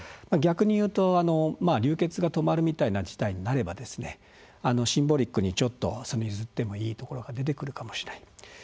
逆に言うと流血が止まるみたいな事態になればシンボリックにちょっとゆずってもいいところが出てくるかもしれない。